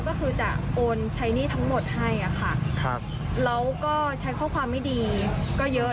ก็คือจะโอนใช้หนี้ทั้งหมดให้อะค่ะแล้วก็ใช้ข้อความไม่ดีก็เยอะ